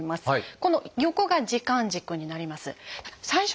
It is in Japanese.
この横が時間軸になります。